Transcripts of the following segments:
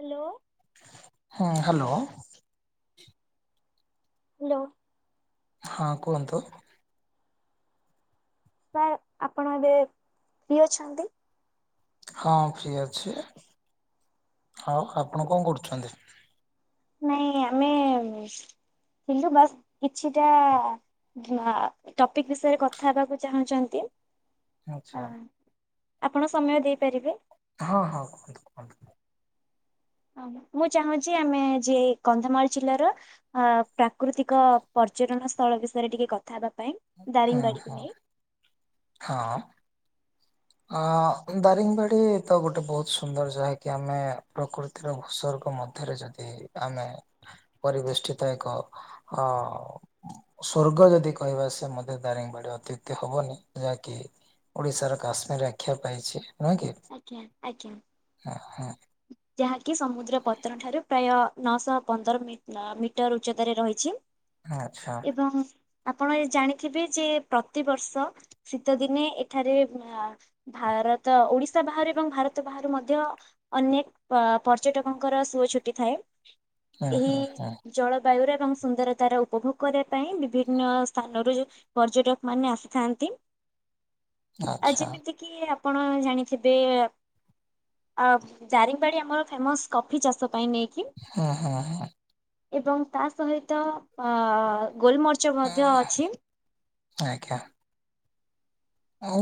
Hello. ହଁ hello. Hello. ହଁ କୁହନ୍ତୁ? ସାର୍ ଆପଣ ଏବେ ପ୍ରି ଅଛନ୍ତି? ହଁ ଫ୍ରି ଅଛି। ହଉ ଆପଣ କଣ କରୁଛନ୍ତି? ନାଇଁ ଆମେ କିନ୍ତୁ ବାସ୍ କିଛିଟା ବା ଟପିକ ବିଷୟରେ କଥା ହେବାକୁ ଚାହୁଁଛନ୍ତି? ଆଚଛା। ଆପଣ ସମୟ ଦେଇପାରିବେ? ହଁ ହଁ କୁହନ୍ତୁ କୁହନ୍ତୁ। ଓ ମୁଁ ଚାହୁଁଛି ଆମେ ଏଇ କନ୍ଧମାଳ ଜିଲ୍ଲାର ଅ ପ୍ରାକୃତିକ ପର୍ଯ୍ୟଟନ ସ୍ଥଳ ବିଷୟରେ ଟିକେ କଥା ହେବା ପାଇଁ। ହୁଁ ଦାରିଙ୍ଗବାଡିକୁ ହୁଁ ନେଇ। ହଁ। ଅ ଦାରିଙ୍ଗବାଡି ତ ଗୋଟେ ବହୁତ ସୁନ୍ଦର ଯାହାକି ଆମେ ପ୍ରକୃତି ତି ର ଉସର୍ଗ ମଧ୍ୟରେ ଯଦି ଆମେ ପରିବେଷ୍ଟିତ ଏକ ଅ ସ୍ଵର୍ଗ ଯଦି କହିବା ସେ ମଧ୍ୟ ଦାରିଙ୍ଗବାଡ଼ି ଅତ୍ୟୁକ୍ତି ହବନି ଯାହାକି ଓଡିଶାର କାଶ୍ମୀର ଆ୍ୟାଖ୍ୟା ପାଇଛି ନୁହେଁ କି? ଆଜ୍ଞା ଆଜ୍ଞା। ହ ହଁ। ଯାହାକି ସମୁଦ୍ର ପତନ ଠାରୁ ପ୍ରାୟ ନଅଶହ ପନ୍ଦର ମି ମିଟର ଉଚ୍ଚତାରେ ରହିଛି। ଆଚ୍ଛା। ଏବଂ ଆପଣ ଏ ଜାଣିଥିବେ ଯେ ପ୍ରତିବର୍ଷ ଶୀତ ଦିନେ ଏଠାରେ ଭାରତ ଓଡିଶା ବାହାରୁ ଏବଂ ଭାରତ ବାହାରୁ ମଧ୍ୟ ଅନେକ ପର୍ଯ୍ୟଟକଙ୍କର ସୁଅ ଛୁଟି ଥାଏ ହୁଁ ଏହି ହୁଁ ହୁଁ ଜଳବାୟୁର ଏବଂ ସୁନ୍ଦରତାର ଉପଭୋଗ କରିବା ପାଇଁ ବିଭିନ୍ନ ସ୍ଥାନରୁ ଯଉ ପର୍ଯ୍ୟଟକ ମାନେ ଆସିଥାନ୍ତି। ଆ ଆଚ୍ଛା ଯେମିତି କିି ଆପଣ ଜାଣିଥିବେ ଅ ଜାରିଙ୍ଗବାଡ଼ି ଆମର ଫେମସ କଫି ଚାଷ ପାଇଁ ନେଇକି। ହଁ ହଁ ହଁ। ଏବଂ ତା ସହିତ ଅ ଗୋଲମରି ହ ଆଜ୍ଞା।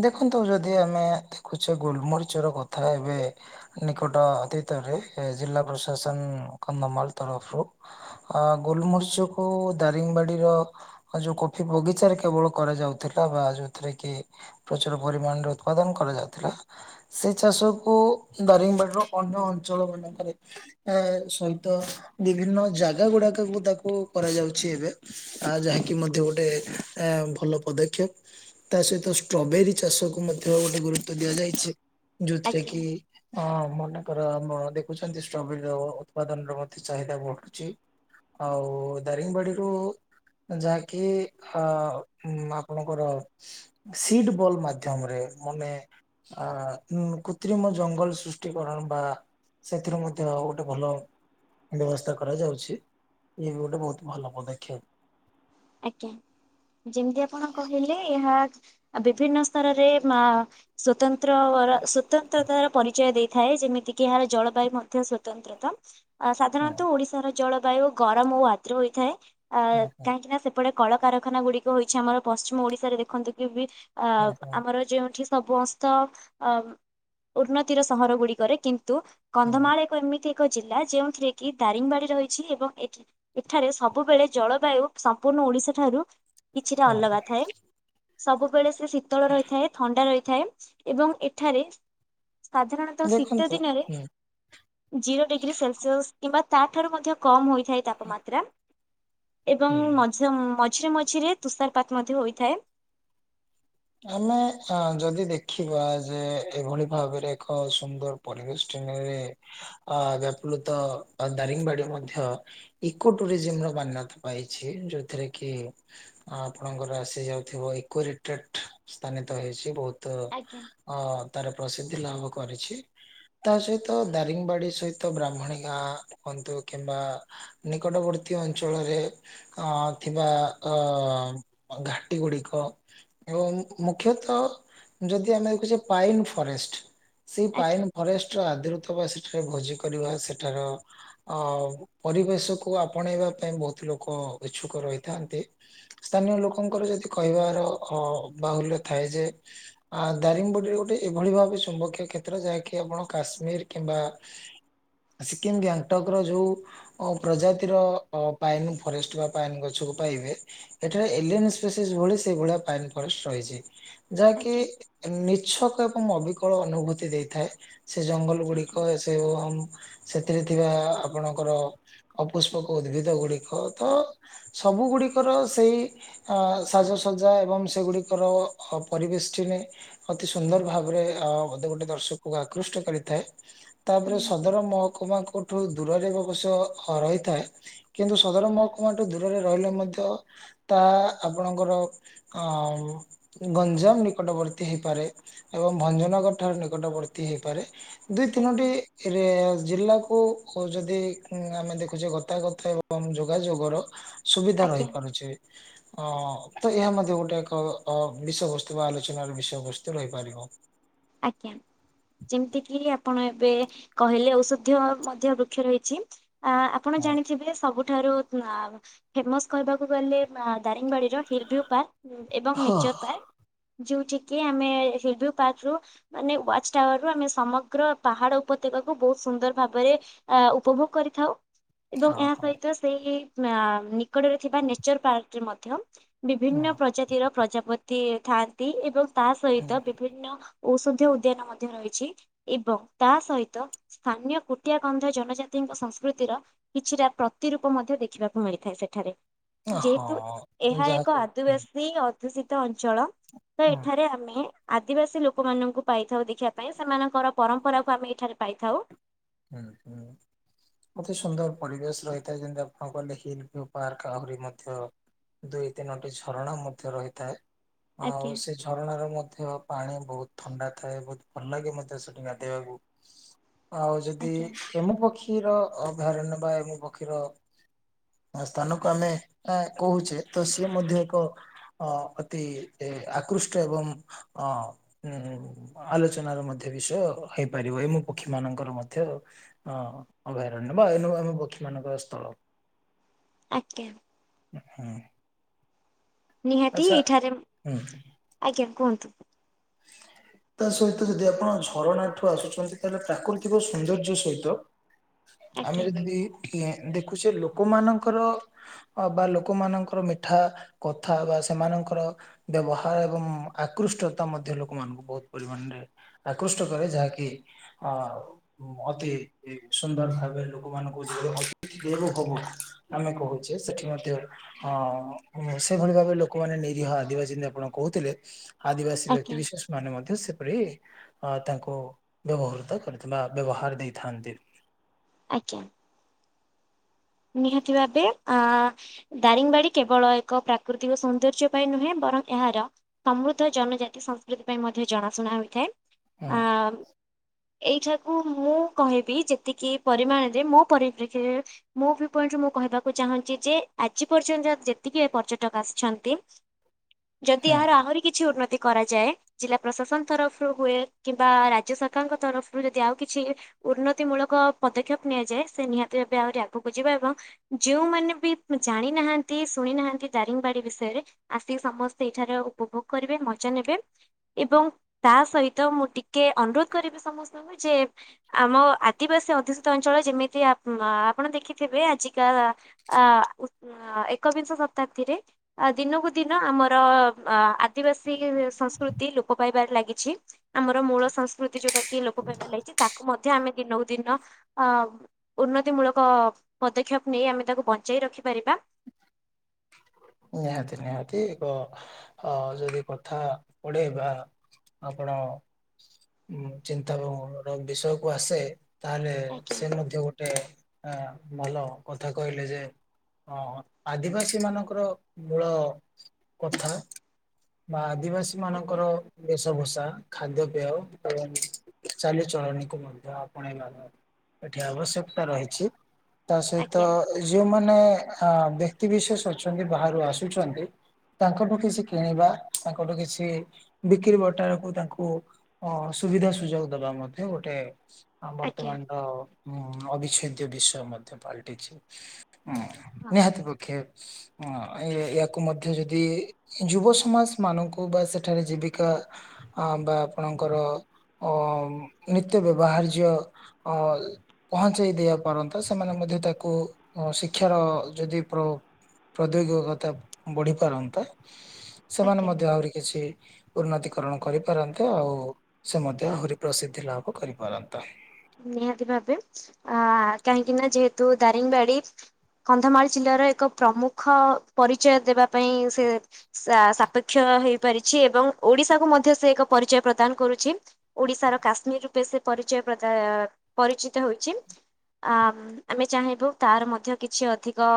ଦେଖନ୍ତୁ ଯଦି ଆମେ ଦେଖୁଛେ ଗୋଲମରିଚ ର କଥା ଏବେ ନିକଟ ଅତୀତରେ ଜିଲ୍ଲା ପ୍ରଶାସନ କନ୍ଧମାଳ ତରଫରୁ ଅ ଗୋଲମରିଚକୁ ଦାରିଙ୍ଗବାଡିର ଯୋଉ କଫି ବଗିଚାରେ କେବଳ କରାଯାଉଥିଲା ବା ଯଉଥିରେ କି ପ୍ରଚୁର ପରିମାଣରେ ଉତ୍ପାଦନ କରାଯାଉଥିଲା। ସେ ଚାଷ କୁ ଦାରିଙ୍ଗବାଡ଼ିର ଅନ୍ୟ ଅଞ୍ଚଳ ମାନଙ୍କରେ ଏ ସହିତ ବିଭିନ୍ନ ଜାଗା ଗୁଡାକକୁ ତାକୁ କରାଯାଉଚି ଏବେ। ଆ ଯାହାକି ମଧ୍ୟ ଗୋଟେ ଅ ଭଲ ପଦକ୍ଷେପ। ତା ସହିତ ଷ୍ଟ୍ରବେରୀ ଚାଷକୁ ମଧ୍ୟ ଗୋଟେ ଗୁରୁତ୍ୱ ଦିଆଯାଇଛି ଯୋଉଥିରେ ଆଜ୍ଞା କି ହଁ ମନେକର ମ ଦେଖୁଛନ୍ତି ଷ୍ଟ୍ରବେରୀ ର ଉତ୍ପାଦନ ର ମଧ୍ୟ ଚାହିଦା ବଢୁଚି। ଆଉ ଦାରିଙ୍ଗବାଡ଼ିରୁ ଯାହାକି ଆ ଉ ଆପଣଙ୍କର ସିଟ ବଲ ମାଧ୍ୟମରେ ମାନେ ଆ କୃତ୍ରିମ ଜଙ୍ଗଲ ସୃଷ୍ଟି କରଣ ବା ସେଥିରୁ ମଧ୍ୟ ଗୋଟେ ଭଲ ବ୍ୟବସ୍ଥା କରାଯାଉଛି ଇଏ ବି ଗୋଟେ ବହୁତ ଭଲ ପଦକ୍ଷେପ। ଆଜ୍ଞା ଯେମିତି ଆପଣ କହିଲେ ଏହା ବିଭିନ୍ନ ସ୍ତରରେ ମା ସ୍ଵତନ୍ତ୍ରର ସ୍ଵତ ନ୍ତ୍ରତା ର ପରିଚୟ ଦେଇଥାଏ ଯେମିତିକି ଏହାର ଜଳବାୟୁ ମଧ୍ୟ ସ୍ୱତନ୍ତ୍ରତା। ହୁଁ ସାଧାରଣତଃ ଓଡ଼ିଶା ର ଜଳବାୟୁ ଗରମ ଓ ଆଦ୍ର ହୋଇଥାଏ ହୁଁ ଅ ହୁଁ କାହିଁକି ନା ସେ ସେପଟେ କଳକାରଖାନା ଗୁଡିକ ହୋଇଛି ଆମର ପଶ୍ଚିମ ଓଡିଶାରେ ଦେଖନ୍ତୁ କି ବି ଅ ହୁଁ ହୁଁ ଆମର ଯୋଉଠି ସବୁ ଅସ୍ତ ଅ ଉନ୍ନତିର ସହର ଗୁଡିକରେ କିନ୍ତୁ କନ୍ଧମାଳ ଏକ ଏମିତି ଏକ ଜିଲ୍ଲା ଯେଉଥିରେ କି ଦାରିଙ୍ଗବାଡି ରହିଛି ଏବଂ ଏଠି ଏଠାରେ ସବୁବେଳେ ଜଳବାୟୁ ସମ୍ପୂର୍ଣ ଓଡିଶା ଠାରୁ କିଛିଟା ଅଲଗା ହୁଁ ଥାଏ। ସବୁବେଳେ ସେ ଶୀତଳ ରହିଥାଏ ଥଣ୍ଡା ରହିଥାଏ ଏବଂ ଏଠାରେ ସାଧାରଣତଃ ଶୀତ ଦେଖନ୍ତୁ ଦିନରେ ହୁଁ ଜିରୋ ଡିଗ୍ରୀ ସେଲସିଅସ୍ କିମ୍ବା ତାଠାରୁ ମଧ୍ୟ କମ ହୋଇଥାଏ ତାପମାତ୍ରା। ଏବଂ ହୁଁ। ମଝି ମଝିରେ ମଝିରେ ତୁଷାରପାତ ମଧ୍ୟ ହୋଇଥାଏ। ଆମେ ଅ ଯଦି ଦେଖିବା ଯେ ଏଭଳି ଭାବରେ ଏକ ସୁନ୍ଦର। ପରିବେଶ [unintelligible] ଅ ବପଲତ ଦାରିଙ୍ଗବାଡି ମଧ୍ୟ ଇକୋ ଟୁରିଜିମ ର ମାନ୍ୟତା ପାଇଛି। ଯୋଉଥିରେ କି ଆପଣଙ୍କର ଆସି ଯାଉଥିବ ଇକୋ ରିଟ୍ରାକ୍ଟ ସ୍ଥାନିତ ହେଇଚି ବହୁତ ଆଜ୍ଞା ଅ ତାର ପ୍ରସିଦ୍ଧି ଲାଭ କରିଚି। ତା ସହିତ ଦାରିଙ୍ଗବାଡ଼ି ସହିତ ବ୍ରାହ୍ମଣୀ ଗାଁ କୁଅନ୍ତୁ କିମ୍ବା ନିକଟବର୍ତ୍ତୀ ଅଞ୍ଚଳରେ ଅଁ ଥିବା ଅ ଘାଟି ଗୁଡିକ ଏବଂ ମ ମୁଖ୍ୟତଃ ଯଦି ଆମେ ଦେଖୁଛେ ପାଇନ ଫରେଷ୍ଟ ସେଇ ଆଜ୍ଞା ପାଇନ ଫରେଷ୍ଟ ର ଆଦୃତ ବା ସେଠାରେ ଭୋଜି କରିବା ସେଠାର ଅ ପରିବେଶକୁୁ ଆପଣେଇବା ପାଇଁ ବହୁତ ଲୋକ ଇଛୁକ ରହିଥାନ୍ତି। ସ୍ଥାନୀୟ ଲୋକଙ୍କର ଯଦି କହିବାର ଅ ବାହୁଲ୍ୟ ଥାଏ ଯେ ଆ ଦାରିଙ୍ଗ ବୋଡିରେ ଗୋଟେ ଏଭଳି ଭାବେ ଚୁମ୍ବକୀୟ କ୍ଷେତ୍ର ଯାହାକି ଆପଣ କାଶ୍ମୀର କିମ୍ବା ସିକିମ ଗ୍ୟାଙ୍ଗଟକ ର ଯୋଉ ଓ ପ୍ରଜାତିର ଅ ପାଇନ ଫରେଷ୍ଟ ବା ପାଇନ ଗଛକୁ ପାଇବେ ଏଠାରେ ଏଲିଏନ ସ୍ପେସିସ୍ ଭଳି ସେଇଭଳିଆ ପାଇନ ଫରେଷ୍ଟ ରହିଚି। ଯାହାକି ଆଜ୍ଞା ନିଚ୍ଛକ ଏବଂ ଅବିକଳ ଅନୁଭୂତି ଦେଇଥାଏ ସେ ଜଙ୍ଗଲ ଆଜ୍ଞା ଗୁଡିକ ସେ ଅମ୍ ସେଥିରେ ଥିବା ଆପଣଙ୍କର ଅପୁଷ୍ପକ ଉଦ୍ଭିଦ ଗୁଡିକ ତ ସବୁ ଗୁଡିକର ସେଇ ଅ ସାଜସଜା ଏବଂ ସେଗୁଡ଼ିକରଅ ହ ପରିବେଶ୍ଟିନି ଅତି ସୁନ୍ଦର ଭାବରେ ଅ ବୋଧେ ଗୋଟେ ଦର୍ଶକକୁ ଆକୃଷ୍ଟ କରିଥାଏ। ତାପରେ ସଦର ମହକୁମାଙ୍କଠୁ ଦୂରରେ ଅବଶ୍ୟ ହ ରହିଥାଏ। କିନ୍ତୁ ସଦର ମହକୁମୋଠୁ ଦୂରରେ ରହିଲେ ମଧ୍ୟ ତା ଆପଣଙ୍କର ଆଉ ଗଞ୍ଜାମ ନିକଟବର୍ତ୍ତୀ ହେଇପାରେ। ଏବଂ ଭଞ୍ଜନଗର ଠାରେ ନିକଟବର୍ତ୍ତୀ ହେଇପାରେ ଦୁଇ ତିନୋଟି ଆଜ୍ଞା ଏଥିରେ ଜିଲ୍ଲାକୁ ଯଦି ଆମେ ଦେଖୁଛେ ଗତାଗତ ଏ ବଂ ଯୋଗାଯୋଗର ସୁବିଧା ଆଜ୍ଞା ଆଜ୍ଞା ରହିପାରୁଛି ଅଁ ତ ଏହା ମ କିନ୍ତୁ ଗୋଟେକ ଅ ବିଷୟବସ୍ତୁ ବା ଆଲୋଚନାର ବିଷୟବସ୍ତୁ ରହିପାରିବ। ଆଜ୍ଞା। ଯେମତି କିି ଆପଣ ଏବେ କହିଲେ ଔଷଧୀୟ ମଧ୍ୟ ବୃକ୍ଷ ରହିଛି ଆପ ଆପଣ ହଁ। ଜାଣିଥିବେ ସବୁ ଠାରୁ ଆ ଫେମସ୍ କହିବାକୁ ଗଲେ ଦାରିଙ୍ଗବାଡ଼ିର ହିଲ୍ ଭ୍ୟୁ ପାର୍କ। ଏବଂ ହଁ। ନେଚର ପାର୍କ ଯୋଉଠି କି ଆମେ ହିଭ୍ୟୁ ପାର୍କ ରୁ ମାନେ ୱାଚ୍ ଟାୱାରରୁ ଆମେ ସମଗ୍ର ପାହାଡ଼ ଉପତ୍ୟାକାକୁ ବହୁତ ସୁନ୍ଦର ଭାବରେ ଆ ଉପଭୋଗ କରିଥାଉ। ଏବଂ ହଁ ଏହା ହଁ। ସହିତ ସେଇ ଆଁ ନିକଟରେ ଥିବା ନେଚର ପାର୍କରେ ମଧ୍ୟ ହଁ ବିଭିନ୍ନ ପ୍ରଜାତିର ପ୍ରଜାପତି ଥାଆନ୍ତି ଏବଂ ତା ହଁ। ସହିତ ବିଭିନ୍ନ ଔଷଧୀୟ ଉଦ୍ୟାନ ମଧ୍ୟ ରହିଛି ଏବଂ ତା ସହିତ ସ୍ଥାନୀୟ କୁଟିଆ କନ୍ଧ ଜନଜାତିଙ୍କ ସଂସ୍କୃତିର କିଛିଟା ପ୍ରତିରୂପ ମଧ୍ୟ ଦେଖିବାକୁ ମିଳିଥାଏ ସେଠାରେ। ଯେହେତୁ ହଁ ଏହା ଏକ ଯାହାକୁ ହୁଁ ଆଦିବାସୀ ଅ ଦୂଷିତ ଅଞ୍ଚଳ ତ ହୁଁ ଏଠାରେ ଆମେ ଆଦିବାସୀ ଲୋ କମାନଙ୍କୁ ପାଇଥାଉ ଦେଖିବା ପାଇଁ ସେମାନଙ୍କର ପରମ୍ପରାକୁ ଆମେ ଏଇଠାରେ ପାଇଥାଉ। ହୁଁ ହୁଁ। ଅତି ସୁନ୍ଦର ପରିବେଶ ରହିଥାଏ ଯେମତି ଆପଣ କହିଲେ ହିଲ୍ ଭ୍ୟୁ ପାର୍କ ଆହୁରି ମଧ୍ୟ ଦୁଇ ତିନୋଟି ଝରଣା ମଧ୍ୟ ରହିଥାଏ ଆଉ ଆଜ୍ଞା ସେ ଯୋ ଝରଣାରେ ମଧ୍ୟ ପାଣି ବହୁତ ଥଣ୍ଡା ଥାଏ ବହୁତ ଭଲ ଲାଗେ ମଧ୍ୟ ସେଠି ଗାଧେଇବାକୁ। ଆଉ ଯଦି ଆଜ୍ଞା। ଏମୁପକ୍ଷୀ ର ଅଭୟାରଣ୍ୟ ବା ଏମୁ ପକ୍ଷୀର ସ୍ଥାନକୁ ଆମେ ଏଁ କହୁଛେ ତ ସିଏ ମଧ୍ୟ ଏକ ଅ ଅତି ଆକୃଷ୍ଟ ଏବଂ ଅଁ ଉଁ ଆଲୋଚନାର ମଧ୍ୟ ବିଷୟ ହେଇପାରିବ ଏମି ପକ୍ଷୀ ମାନଙ୍କର ମଧ୍ୟ ଅ ଅଭୟାରଣ୍ୟ ବା ଏନୋବା ଆମ ପକ୍ଷୀମାନଙ୍କର ସ୍ଥଳ। ଆଜ୍ଞା। ଉଁହୁଁ। ନିହାତି ଏଇଠାରେ ହୁଁ ଆଜ୍ଞା କୁହନ୍ତୁ? ତା ସହିତ ଯଦି ଆପଣ ଝରଣା ଠୁ ଆସୁଛନ୍ତି ତାହେଲେ ପ୍ରାକୃତିକ ସୌନ୍ଦର୍ଯ୍ୟ ସହିତ। ଆମେ ଆଜ୍ଞା ଯଦି ନେ ଦେଖୁଛେ ଲୋକମାନଙ୍କର ଅବା ଲୋକମାନଙ୍କର ମିଠା କଥା ହବା ସେମାନଙ୍କର ବ୍ୟବହାର ଏବଂ ଆକୃଷ୍ଟତ ତା ମଧ୍ୟ ଲୋକମାନଙ୍କୁ ବହୁତ ପରିମାଣରେ ଆକୃଷ୍ଟ କରେ ଯାହାକି ଅ ଅତି ସୁନ୍ଦର ଭାବେ ଲୋକମାନଙ୍କୁ ସିଏ ଅତୀତ୍ ଦେବ ଭବ। ଆମେ କହୁଛେ ସେଠି ମଧ୍ୟ ହଁ ସେଇଭଳି ଭାବେ ଲୋକମାନେ ନିରିହ ଆଦିବାସୀ ଯେମିତି ଆପଣ କହୁଥିଲେ ଆଦିବାସୀ ବ୍ୟକ୍ତି ଆଜ୍ଞା ବିଶେଷ ମାନେ ମଧ୍ୟ ସେପରି ଅ ତାଙ୍କୁ ବ୍ୟବହୃତ କରି ବା ବ୍ୟବହାର ଦେଇଥାନ୍ତି। ଆଜ୍ଞା। ନିହାତି ଭାବେ ଆ ଦାରିଙ୍ଗୀବାବାଡ଼ି କେବଳ ଏକ ପ୍ରାକୃତିକ ସୌନ୍ଦର୍ଯ୍ୟ ପାଇଁ ନୁହେଁ ବରଂ ଏହାର ସମୃଦ୍ଧ ଜନଜାତି ସଂସ୍କୃତି ପାଇଁ ମଧ୍ୟ ଜଣାଶୁଣା ହୋଇଥାଏ ହୁଁ ଆ ଏଇଠାକୁ ମୁଁ କହିବି ଯେତିକି ପରିମାଣରେ ମୋ ପରିପ୍ରେକ୍ଷୀରେ ମୋ ଭି ପଏଣ୍ଟୁ ମୁଁ କହିବାକୁ ଚାହୁଁଛି ଯେ ଆଜି ପର୍ଯ୍ୟନ୍ତ ଯେତିକି ଏ ପର୍ଯ୍ୟଟକ ଆସିଛନ୍ତି ଯଦି ହୁଁ ଏହାର ଆହୁରି କିଛି ଉନ୍ନତି କରାଯାଏ ଜିଲ୍ଲା ପ୍ରଶାସନ ତରଫରୁ ହୁଏ କିମ୍ବା ରାଜ୍ୟ ସରକାରଙ୍କ ତରଫରୁ ଯଦି ଆଉ କିଛି ଉନ୍ନତି ମୂଳକ ପଦକ୍ଷେପ ନିଆଯାଏ ସେ ନିହାତି ଭାବେ ଆହୁରି ଆଗକୁ ଯିବା ଏବଂ ଯେଉଁମାନେ ବି ଜାଣି ନାହାନ୍ତି ଶୁଣି ନାହାନ୍ତି ଦାରିଙ୍ଗୀବାଡ଼ି ବିଷୟରେ ଆସି ସମସ୍ତେ ଏଇଠାରେ ଉପଭୋଗ କରିବେ ମଜା ନେବେ ଏବଂ ତା ସହିତ ମୁଁ ଟି ଟିକେ ଅନୁରୋଧ କରିବି ସମସ୍ତଙ୍କୁ ଯେ ଆମ ଆଦିବାସୀ ଅଧୁଷିତ ଅଞ୍ଚଳ ଯେମିତିଆ ଆ ଆପଣ ଦେଖିଥିବେ ଆଜିକା ଆ ଆ ଏକବିଂଶ ଶତାବ୍ଦୀରେ ଆ ଦିନକୁ ଦିନ ଆମର ଆ ଦିବାସୀ ସଂସ୍କୃତି ଲୋପ ପାଇବାରେ ଲାଗିଛି ଆମର ମୂଳ ସଂସ୍କୃତି ଯୋଉଟା କି ଲୋପ ପାଇବାର ଲାଗଛି ତାକୁ ମଧ୍ୟ ଆମେ ଦିନକୁ ଦିନ ଅ ଉନ୍ନତିମୂଳକ ପଦକ୍ଷେପ ନେଇ ଆମେ ତାକୁ ବଞ୍ଚାଇ ରଖିପାରିବା। ନିହାତି ନିହାତି ଏକ ଅ ଯଦି କଥା ପଢ଼େଇବା ଆପଣ ଚିନ୍ତାରୁ ବିଷୟ କୁ ଆସେ ତାହେଲେ ଆଜ୍ଞା ସେ ମଧ୍ୟ ଗୋ ଟେ ହଁ ଭଲ କଥା କହିଲେ ଯେ ଅ ଆଦିବାସୀ ମାନଙ୍କର ମୂଳ କଥା ବା ଆଦିବାସୀ ଆଜ୍ଞା ମାନଙ୍କର ଵିଷ ଭସା ଖାଦ୍ୟପେୟ ଏବଂ ଚାଲିଚଳଣିକୁ ମଧ୍ୟ ଆପଣେଇବା ଏଠି ଆବଶ୍ୟକତା ରହିଛି ତା ସହିତ ଆଜ୍ଞା ଏଇ ଯୋଉମାନେ ବ୍ୟକ୍ତି ବିିଶେଷ ଅଛନ୍ତି ବାହାରୁ ଆସୁଛନ୍ତି ତାଙ୍କଠୁ କିଛି କିଣିବା ତାଙ୍କଠୁ କିଛି ବିକ୍ରି ବଟାରକୁ ତାଙ୍କୁ ଅ ସୁବିଧା ସୁଯୋଗ ଦବା ମଧ୍ୟ ଗୋଟେ ଆ ଆଜ୍ଞା ବର୍ତ୍ତମାନ ତ ଅବିଚ୍ଛେଦ୍ୟ ବିଷୟ ମଧ୍ୟ ପାଲଟିଛି ହୁଁ ହଁ ନିହାତି ପକ୍ଷେ ହଁ ୟାକୁ ମଧ୍ୟ ଯଦି ଯୁବ ସମାଜ ମାନଙ୍କୁ ବା ସେଠାରେ ଜୀବିକା ଆ ବା ଆପଣଙ୍କର ଅ ନିତ୍ୟ ବ୍ୟବହାର୍ଯ୍ୟ ଅଲ ପହଞ୍ଚେଇ ଦେଆ ପାରନ୍ତା ସେମାନେ ମଧ୍ୟ ତାକୁ ଶିକ୍ଷାର ଯଦି ପ୍ର ପ୍ରଦ୍ୟୋଗିକତା ବଢ଼ି ପାରନ୍ତା ସେମାନେ ଆଜ୍ଞା। ମଧ୍ୟ ଆହୁରି କିଛି ଉନ୍ନତିକରଣ କରିପାରନ୍ତେ ଆଉ ସେ ମଧ୍ୟ ଆହୁରି ପ୍ରସିଦ୍ଧି ଲାଭ କରିପାରନ୍ତା। ନିହାତି ଭାବେ ଆ କାହିଁକି ନା ଯେହେତୁ ଦାରିଙ୍ଗୀବାଡ଼ି କନ୍ଧମାଳ ଜିଲ୍ଲାର ଏକ ପ୍ରମୁଖ ପରିଚୟ ଦେବା ପାଇଁ ସେ ସା ସାପେକ୍ଷ ହେଇପାରିଛି ଏବଂ ଓଡ଼ିଶାକୁ ମଧ୍ୟ ସେ ଏକ ପରିଚୟ ପ୍ରଦାନ କରୁଛି। ଓଡ଼ିଶାର କାଶ୍ମୀର ରୂପେ ସେ ପରିଚୟ ପ୍ରଦା ପରିଚିତ ହେଉଛି ଆ ଆମେ ଚାହିଁବୁ ତାର ମଧ୍ୟ କିଛି ଅଧିକ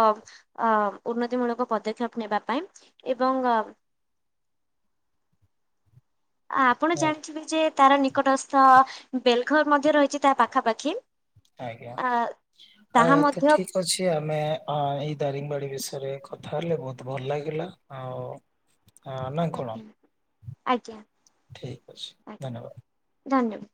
ଅ ଉନ୍ନତିମୂଳକ ପଦକ୍ଷେପ ନେବା ପାଇଁ ଏବଂ ଆ ଆ ଆପଣ ଜାଣିଥିବେ ଯେ ତାର ନିକଟସ୍ଥ ବେଲ୍ ଘର ମଧ୍ୟ ରହିଛି ତା ପାଖାପାଖି? ଆଜ୍ଞା ଆ ତାହା ଆଉ ଏତ ମଧ୍ୟ ଠିକ୍ ଅଛି ଆମେ ଅଁ ଏଇ ଦାରିଙ୍ଗ୍ ବାଡ଼ି ବିଷୟରେ କଥା ହେଲେ ବହୁତ ଭଲ ଲାଗିଲା। ଆଉ ହଁ ନାଁ କଣ ଆଜ୍ଞା ଆଜ୍ଞା ଠିକ୍ ଅଛି ଆଜ୍ଞା ଧନ୍ୟବାଦ। ଧନ୍ୟବାଦ।